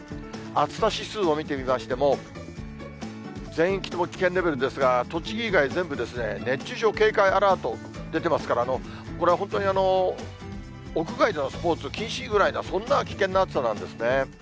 暑さ指数を見てみましても、全域とも危険レベルですが、栃木以外全部ですね、熱中症警戒アラート出てますから、これは本当に屋外でのスポーツ禁止ぐらいな、そんな危険な暑さなんですね。